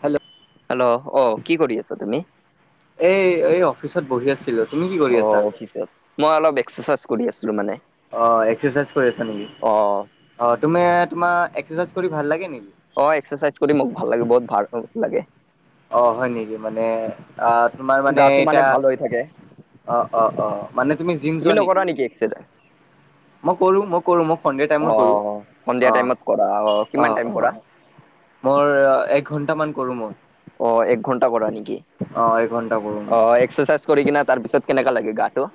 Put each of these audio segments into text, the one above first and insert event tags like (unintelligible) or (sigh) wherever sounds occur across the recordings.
Hello hello অ', কি কৰি আছা তুমি? পিছত বহি আছিলোঁ। অ', অফিচত মই অলপ এক্সাৰচাইজ কৰি আছিলোঁ মানে। অ', এক্সাৰচাইজ কৰি আছা নেকি, অ, তুমি তোমাৰ এক্সাৰচাইজ কৰি ভাল লাগে নেকি? অ', এক্সাৰচাইজ কৰি মোক ভাল লাগে, বহুত ভাল লাগে। অ', হয় নেকি মানে আ, তোমাৰ মানে গাটো এতিয়া ভাল হৈ থাকে অ', অ', অ', মানে তুমি জিম যোৱা নেকি? মই কৰোঁ, মই কৰোঁ মই সন্ধিয়া অ টাইমত কৰোঁ সন্ধিয়া টাইমত কৰা অ', কিমান অ', টাইম অ', কৰা মোৰ এক ঘন্টামান কৰোঁ মই। অ', এক ঘণ্টা কৰা নেকি? এঘন্টা কৰোঁ মই অ', এক্সাৰচাইজ কৰি কিনে তাৰ পিছত কেনেকা লাগে গাটো?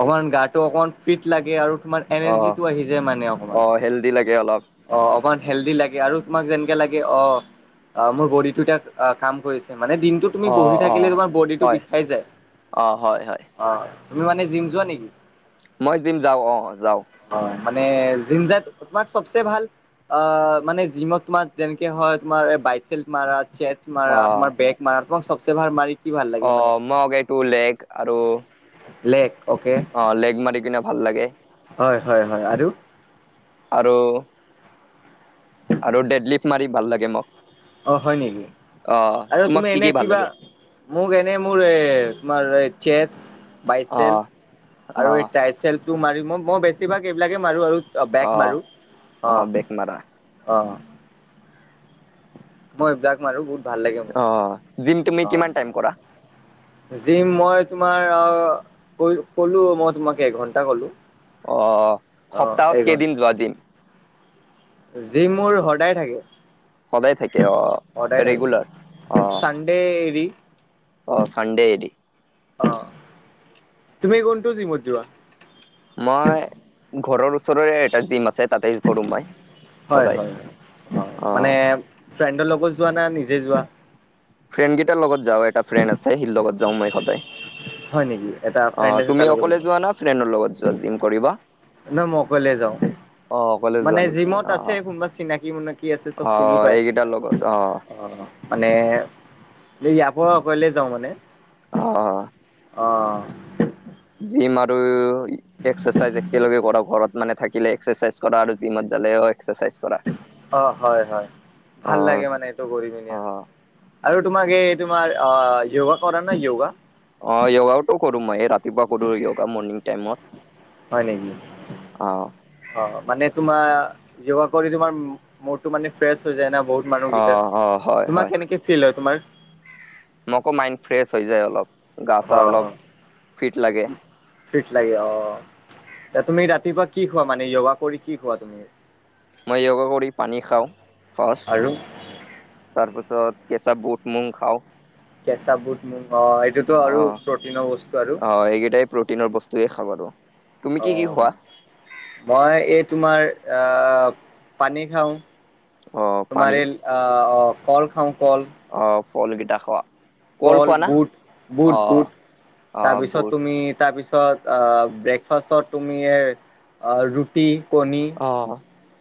অকমান গাটো অকমান ফিট লাগে আৰু তোমাৰ অ এনাৰ্জিটো আহি যায় মানে অকমান। অ হেল্ডি লাগে অলপ অ', অকমান হেল্ডি লাগে আৰু তোমাক যেনেকে লাগে অ', আ, মোৰ বডিটো অ', কাম কৰিছে মানে দিনটো তুমি অ বহি অ থাকিলে তোমাৰ বডিটো হয় বিষাই যায় অ হয় হয় অ', তুমি মানে জিম যোৱা নেকি? মই জিম যাওঁ অ', যাওঁ। অ মানে জিমজাত তোমাক চবচে ভাল অ', মানে জিমত তোমাৰ যেনেকে হয় তোমাৰ বাইচেল মাৰা চেচ অ মাৰা, তোমাৰ বেগ মাৰা, তোমাক চবচে ভাল মাৰি কি ভাল লাগে মানে? অ', মইগে টু লেগ আৰু লেক। অ', লেগ মাৰি কিনে ভাল লাগে। হয, হয়, হয়, আৰু? আৰু আৰু ডেডলিফ মাৰি ভাল লাগে মোক। অ', হয় নেকি? আহ আৰু তোমাক তুমি কি এনে কি ভাল কিবা লাগে মোক এনে মোৰ এ তোমাৰ চেছ বাইচেল আহ আৰু এই আহ ট্ৰাইচেল তো মাৰি মই মই বেছিভাগ এইবিলাকে মাৰোঁ আৰু অ', বেগ আহ মাৰো আহ অ' বেক মাৰা অ' মই এইবিলাক মাৰো বহুত ভাল লাগে। আহ জিম তুমি মোৰ কিমান টাইম কৰা অ' জিম মই তোমাৰ ক কলো মই তোমাক এঘণ্টা কলো আহ অ সপ্তাহত কেইদিন যোৱা যিম যি মোৰ সদায় থাকে। সদায় থাকে অ সদায় থাকে। ৰেগুলাৰ অ চানডে এৰি অ', (unintelligible) (unintelligible) অ', তুমি কোনটো য ইমত যোৱা? মই ঘৰৰ ওচৰৰে এটা জিম আছে। তাতে কৰো মই হয়। সদায় হয়। অ মানে ফ্ৰেণ্ডৰ লগো যোৱা না নিজে যোৱা ফ্ৰেণ্ড কেইটাৰ লগত যাওঁ এটা ফ্ৰেণ্ড আছে। হিৰ লগত যওওঁ মই সদায় হয় নেকি এটা ফ্ৰেণ্ড আহ আছে তাৰ তুমি লগত অকলে যোৱা না ফ্ৰেণ্ডৰ লগত যোৱা জিম কৰিবা। ন মকললে যাওঁ। অ অকলে মানে যোৱা নেকি জিমত অ আছে। কোনোবা চিনাকি মুনাকি আছে। চব অ চিনি পায়। এইকেইটাৰ লগত অ' মানে ইয় পৰা আকলে যাওঁ মানে অ', অ', জিম আৰু এক্সাৰচাইজ একেলগে কৰ ঘৰত মানে থাকিলে। এক্সাৰচাইজ কৰা আৰু জিমত যালে হয়। অ', হয়। হয়। অ ভাল লাগে মানে এইটো কৰি পিনে অ আৰু আৰু তোমাক এই তোমাৰ অ' য়োগা কৰা না য়োগা অ', য়োগাওটো কৰো মই এই ৰাতিপুৱা কৰো য়োগা মৰ্ণিং টাইমত হয় নেকি। অ অ' মানে তোমাৰ য়োগা কৰি তোমাৰ মুডটো মানে ফ্ৰেছ হৈ যায় না বহুত অ মানুহকেইটা অ হয় তোমাৰ হয় কেনেকে ফিল হয়। তোমাৰ মোকো মাইণ্ড ফ্ৰেছ হৈ যায়। অলপ গা চা অ' অলপ ফিট লাগে। ফিট লাগে অ'। (unintelligible) তুমি ৰাতিপুৱা কি খোৱা মানে য়োগা কৰি কি খোৱা তুমি মই য়োগা কৰি পানী খাওঁ ফাচ আৰু তাৰপিছত কেচা বুট (unintelligible) (unintelligible) কেঁচা বুট (unintelligible) এইটোতো আৰু অ', প্ৰটিনৰ বস্তু আৰু। অ' এইকেইটাই প্ৰটিনৰ বস্তুৱয়ে খাব তো তুমি কি কি অ', খোৱা? মই এই তোমাৰ পানী খাওঁ। অ পানী তুমাৰ কল খাওঁ। কল অ ফলকেইটা খোৱা কল খোৱা না বুট বুট অ বুট অ তাৰপিছত বুট তুমি তাৰপিছত (unintelligible) ব্ৰেকফাচত তুমি এ আ ৰুটি কণী অ',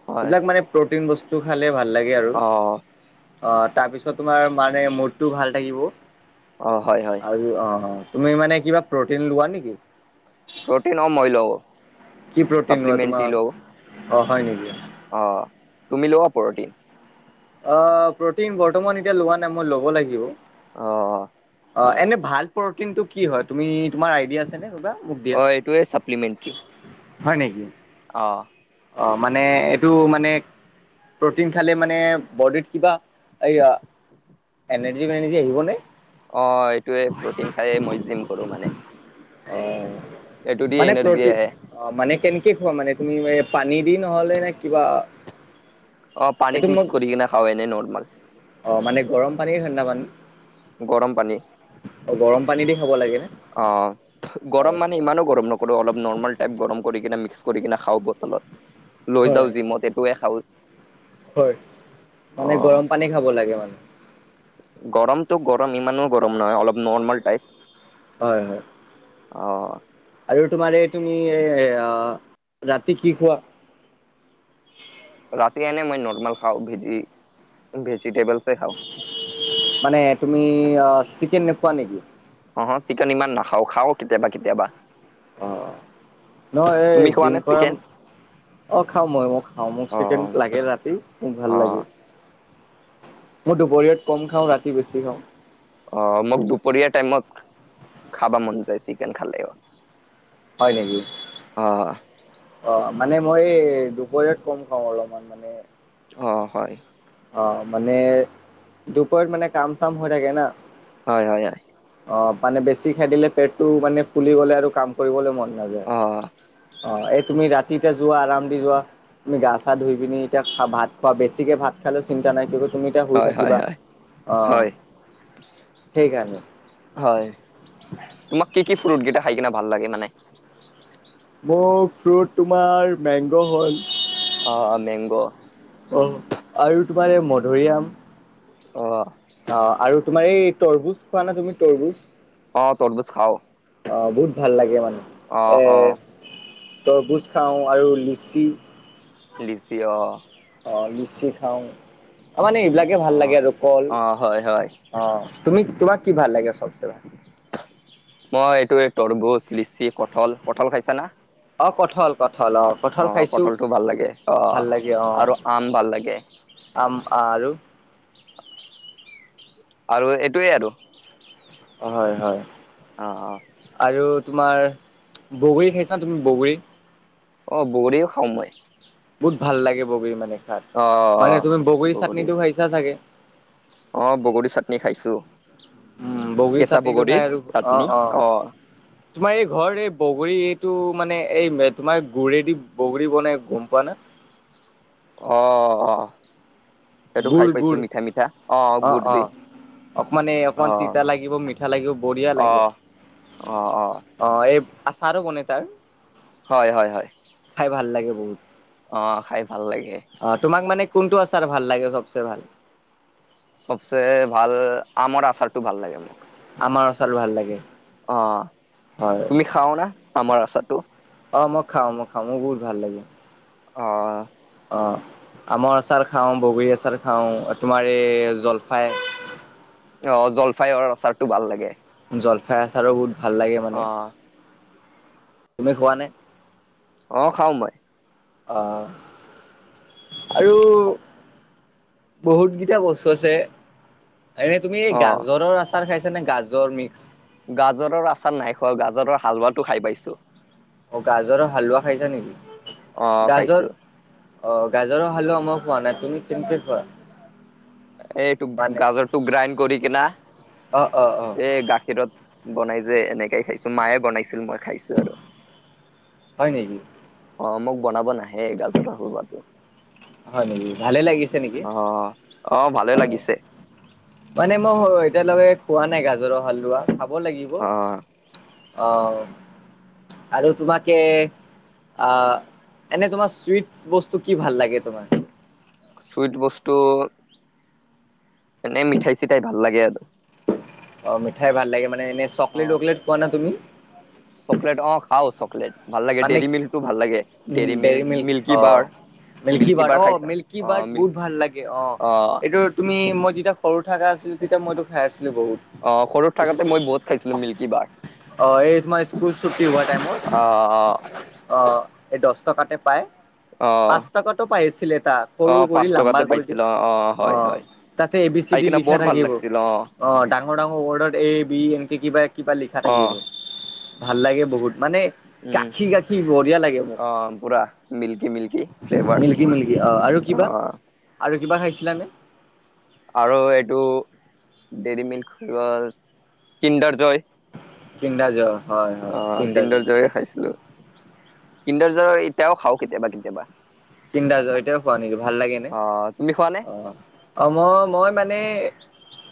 হয়, এইবিলাক মানে প্ৰটিন বস্তু খালে ভাল লাগে আৰু অ', তাৰপিছত তোমাৰ মানে মুডটো ভাল থাকিব অ', হয়, হয়, আৰু অ' অ' তুমি মানে কিবা প্ৰ'টিন লোৱা নেকি? প্ৰ'টিন অ' মই লঁও। কি প্ৰ'টিন লোৱা? তোমাৰ অ' হয় নেকি? অ', তুমি লোৱা পৰটিন অ' প্ৰ'টিন বৰ্তমান এতিয়া লোৱা নাই। মই ল'ব লাগিব। অ', অ' হয়। কিন্তু কি হয় তুমি তোমাৰ আইডিয়া আছে নে কিবা? মোক দিয়া। অ' এইটোৱে চাপ্লিমেণ্টি। হয় নিকি? অ। অ, মানে এইটো মানে প্ৰ'টিন খালে মানে বডিত কিবা এই এনেৰ্জি-বেনেৰ্জি আহিব নে? অ, ভএইটোৱে প্ৰ'টিন খাইয়ে মই জিম কৰো মানে। অ এইটো দি মানে এনাৰ্জি আহে। প্ৰ'টিন অ মানে কেনেকে খোৱা মানে তুমি মানে? পানী দি নহ'লে নে কিবা? অ এইটো পানীত মোক মিক্স কৰি কিনে খাও এনে নৰ্মেল। অ মানে গৰম পানী নে ঠাণ্ডাপানী? গৰম পানী। পানী দি খাব লাগে নে অ হয় গৰম মানে হয় ইমানো গৰম নকৰো অলপ নৰ্মেল টাইপ গৰম কৰি কিনে মি ক্স কৰি কিনে খাও বটলত লৈ হয় যাও জিমত এইটোয়ে খাও। হয়। মানে অ'। গৰম পানী খাব লাগে মানে? গৰমটো গৰম ইমানো গৰম নহয় অলপ নৰ্মেল টাইপ। হয় হয়। অ। আৰু তোমাৰ এই তুমি এ আ ৰাতি কি খোৱা? ৰাতি এনে মই নৰ্মেল খাওঁ ভেজি ভেজিটেবলচ মানে তুমি আহ চিকেন নোখোৱা নিকি? অ চিকেন ইমান নাখাও, খাও কেতিয়াবা কেতিয়াবা। অ, নহয় এই তুমি খোৱা জিম নে কৰা চিকেন মা অ খাও মই মইও খাও মোক অ চিকেন লাগে ৰাতি মোক ভাত অ লাগে। মই দুপৰীয়াত কম খাও ৰাতি বেছি খাও। অ মোক দুপৰীয়া টাইমত খাবা মন চিকেন খালেও হয় নেকি? অ মানে মই এই দুপৰীয়াত কম খাওঁ অলমান মানে। অ হয়। অ মানে দুপৰীয়াত মানে কাম চাম হৈ থাকে না। হয় হয় হয়। অ মানে বেছি খাই দিলে পেটটো মানে ফুলি গ'লে আৰু কাম কৰিবলে মন নাযায়। অহ। অ এই তুমি ৰাতি এতিয়া যোৱা আৰাম দি যোৱা তুমি গা চা ধুই পিনি এতিয়া খা ভাত খোৱা বেছিকে ভাত খালেও চিন্তা নাই কিয়ুকি তুমি এতিয়া শুই হয় হয় থাকিবা হয় অ, হয় সেইকাৰণে। হয় তোমাক কি কি ফ্ৰুট কিটা খাই কিনে ভাল লাগে মানে? মোৰ ফ্ৰুট তোমাৰ মেংগ হ'ল। অ মেংগ। অ আৰু তোমাৰ এই মধুৰিআম অ অ আৰু তোমাৰ এই তৰমুজ খোৱা না তুমি তৰবমুজ? অ তৰবুজ খাওঁ অহ বহুত ভাল লাগে মানে অ এ অ তৰমুজ খাওঁ আৰু লিচি লিচি অ। লিচি অ মানে এইবিলাকেই ভাল অ লাগে আৰু কল অ হয় হয় অ তুমি তোমাক কি ভাল লাগে চবচে ভাল? মই এইটোয়ে তৰমুজ, লিচি, কঠল। কঠল খাইছা না? অ কঠল কঠল অ কঠল খাইছো কঠলটো ভাল লাগে অ ভাল লাগে অ। আৰু আম ভাল লাগে আম আৰু আৰু এইটোৱে আৰু। হয়। হয়। অ', অ' আৰু তোমাৰ বগৰী খাইছা তুমি বগৰী অ', বগৰীও খাওঁ মই বহুত ভাল লাগে বগৰী মানে খাত অ মানে তুমি অ বগৰীৰ বগৰী চাটনিটো খাইিছা চাগে। অ', বগৰী চাটনি খাইছো। উম বগৰীৰ কেঁচা চাটনিটো খাই বগৰীৰ আৰু অ' চাটনি অ' তোমাৰ এই ঘৰ এই বগৰী এইটো মানে এই তোমাৰ গুৰেদি বগৰী বনাই গোম পোৱা না আহ', আহ' সেইটো গুৰ খাই পাইছো গুৰ মিঠা মিঠা অ' গুট দি। অকমান এই অ অকমান তিতা লাগিব মিঠা লাগিব বঢ়িয়া অ লাগে। অ অ অ', এই আচাৰো কনে তাৰ। হয়। হয়। হয়। খাই ভাল লাগে বহুত অ', খাই ভাল লাগে। অ', তোমাক মানে কোনটো আছাৰ ভাল লাগে সবচে ভাল। সবচে ভাল আৰ আচাৰটো ভাল লাগে মোক। আমাৰ ওচৰ ভাল লাগে। অ', হয়। তুমি খাও ন আমাৰ আচাটো? অ', মই খাওঁ মই খাওঁ মোৰ বহুত ভাল লাগে। অ', অ', আমৰ আচাৰ খাওঁ। বগৰী আচাৰ খাওঁ। তোমাৰ এই জলফাই অ', জলফাইৰ আচাৰতটো ভাল লাগে। জলফাই আচাৰো বহুত ভাল লাগে মানে। অ তুমি খোৱা নে? অহ', খাওঁ মই। অহ', আৰু বহুতকেইটা বস্তু আছে। এনে তুমি এই অ গাজৰৰ আচাৰ খাইছ নে গাজৰ মিক্স। গাজৰৰ আচাৰ নাই খোৱা গাজৰৰ হালোৱাটো খাই পাইছো। অ', গাজৰৰ হালোৱা খাইছা নেকি? অ গাজৰ খাইছো অ' গাজৰৰ হালুৱা মো খোৱা নাই তুমি কেনেকে খোৱা? এইটো মানে গাজৰটো গ্ৰাইণ্ড কৰি কিনা অ', অ', অ', এই গাখীৰত। বনাই যে এনেকে খাইছো মায়ে বনাইছিল মই। খাইছো আৰু। হয় নেকি? অ', মোক বনাব নাহে গাজৰো হালুৱাটো। হয় নেকি ভালে লাগিছে নেকি? অ অ', ভালে হয়। লাগিছে। মানে মই এতিয়ালকে খোৱা নাই। গাজৰৰ হালোৱা খাব লাগিব। অ অ', আৰু তোমাকে। আহ এনে তোমাৰ চুইটছ বস্তু কি ভাল লাগে তোমাৰ? চুইট বস্তু এনেই মিঠাই-চিঠাই ভাল লাগে আৰু অ', মিঠাই ভাল লাগে মানে এনে অ চকলেট-টকলেট খোৱা না তুমি? চকলেট অ' খাও চকলেট। ভাল লাগে মানে দেৰি মিল্কটো ভাল লাগে উম দেৰি মিল্ ডেইৰী মিল্ক অ মিল্কী বাৰ। মিল্কী বাৰ্ড বাৰ অ' খাইছা মিল্কী অ বাৰ্ড মিল্ক বহুত ভাল লাগে অ' অ এইটো তুমি মই যেতিয়া সৰু থাককা আছিলো। তেতিয়া মইতো খাই আছিলো বহুত। আহ সৰুত থাকোতে মই বহুত খাইছিলো মিল্কী বাৰ অ', হয় এই স্কুল ছুটি হোৱা টাইম (unintelligible) আহ অ। এই দহ টকাতে পায়। আহ আহ পাঁচ টকাটো পাইছিলে এটা অ সৰু কৰি পাঁচ লাম্বা টকাতে কৰি দি পাইছিলো অ হয় অ' হয় তাতে এ বি চি খাই ডি‌ কিনে লিখা বৰ থাকে ভাল এইবোৰ লাগছিল অ' ডাঙ ডাঙৰ ডাঙৰ ৱৰ্ডত এ বি এনকে কিবা কিবা লিখা অ থাকিব, ভাল লাগে বহুত। মানে উম কাখী কাখী বঢ়িয়া লাগে মোক, অ পুৰা milky milky flavour milky milky. অ' আৰু কিবা, আৰু কিবা খাইছিলানে? আৰু এইটো দেৰি মিল্ক (unintelligible) কিণ্ডাৰ জয়। কিণদা যো। অ' কিণ্ডাৰ জয় খাইছিলো, কিণ্ডাৰ জয় এতিয়াও খাওঁ কেতিয়াবা কেতিয়াবা। তিনদা জয় ইটাও খোৱা নেকি ভাল লাগে নে? অ তুমি খোৱা নে অ', অ', মই মই মানে,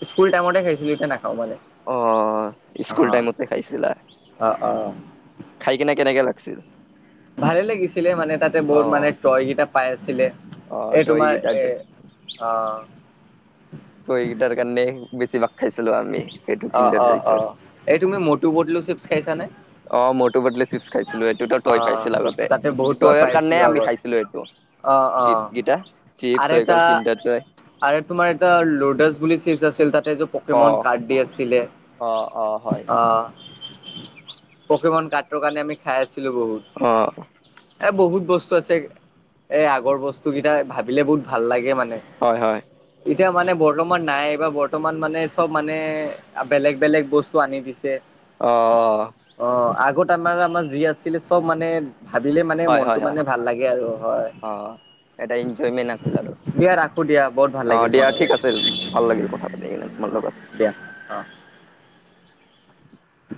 স্কুল টাইমতে খেছিলো এতিয়া না খাওঁ মানে। অ স্কুল অ' টাইমতে খাইছিলা, অ' অ'। খাই কিনে কেনেকা লাগছিল? ভালে লাগিছিলে মানে তাতে অ বহুত মানে টয় কেইটা পাই আছিলে। অ এই তই তোমাৰ এ গিটাৰটো অ'। টয় কেইটাৰ কাৰণে বেছিভাগ খাইছিলোঁ আমি সেইটো অ' কিণ্ডাৰ অ' জয়টো। অ' এই তুমি মটু পটলু চিপছ খাইছানে? অ' মটো পটলো চিপ্ছ খাইছ (unintelligible) এইটোতো টয় অ' পাইছিল আগতে, তাতে বহুত টয় পাই টয়ৰ কাৰণে আছিলো আমি আগত খাইছিলোঁ এইটো। অ' অ' চিপছ কেইটা, চিপছ আৰু হয় এটা গ'ল কিণ্ডাৰ জয়। আৰু তোমাৰ এটা ল'ডাছ বুলি চিপছ আছ (unintelligible) তাতে যে অ পকেমন কাৰ্ড দি আছিলে, অ অ হয় অ'। পকেমন কাৰ্ডটোৰ কাৰণে আমি খাই আছিলোঁ বহুত, অ এ বহুত বস্তু আছে, এ আগৰ বস্তু কেইটা ভাবিলে বহুত ভাল লাগে মানে হয় হয়। এতিয়া মানে বৰ্তমান নাই বৰ্তমান মানে চব মানে বেলেগ বেলেগ বস্তু আনি দিছে। অ', অ'। আমাৰ আমাৰ যি আছিলে চব মানে ভাবিলে মানে হয় হয় মনটো হয় মানে ভাল লাগে আৰু হয়। অ এটা এনজয়মেণ্ট আছিল আৰু। দিয়া ৰাখো দিয়া বহুত ভাল অ' লাগিল দিয়া তোমাৰ লগত ঠিক আছে ভাল লাগিল কথা পাতি কিনে তোমাৰ অ লগত। দিয়া অ'। (inaudible)